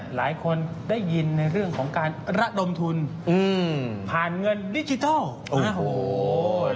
หลายคนได้ยินในเรื่องของการระดมทุนผ่านเงินดิจิทัล